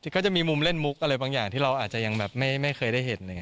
ก็จะมีมุมเล่นมุกอะไรบางอย่างที่เราอาจจะยังแบบไม่เคยได้เห็น